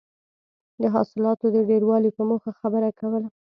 د حاصلاتو د ډېروالي په موخه خبره کوله.